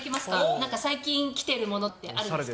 なんか最近きてるものってあるんですか？